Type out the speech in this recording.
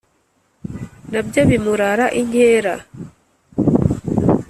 Na byo bimurara inkera;